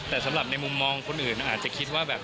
แต่สำหรับในมุมมองคนอื่นอาจจะคิดว่าแบบ